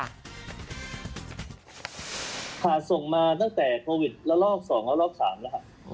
ส่งมาตั้งแต่โควิดละลอก๒และรอบ๓แล้วค่ะ